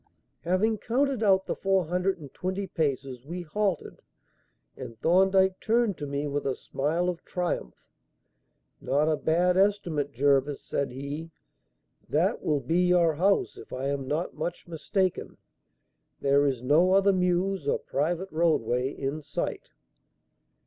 Having counted out the four hundred and twenty paces, we halted, and Thorndyke turned to me with a smile of triumph. "Not a bad estimate, Jervis," said he. "That will be your house if I am not much mistaken. There is no other mews or private roadway in sight."